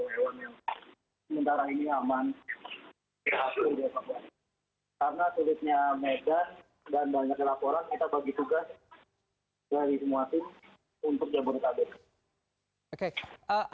karena sulitnya medan dan banyaknya laporan kita bagi tugas dari semua tim untuk jempol kabel